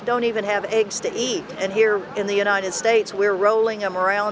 di amerika kita menemukan mereka di luar menemukan mereka di hutan dan menemukan mereka di luar